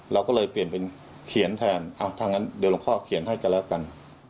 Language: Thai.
เราก็เลยเปลี่ยนเป็นเขียนแทนถ้างั้นเดี๋ยวหลวงพ่อเขียนให้กันแล้วกัน